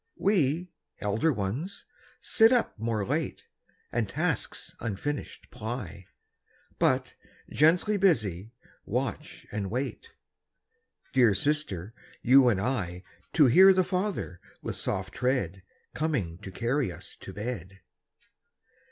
We, elder ones, sit up more late, And tasks unfinished ply, But, gently busy, watch and wait Dear sister, you and I, To hear the Father, with soft tread, Coming to carry us to bed.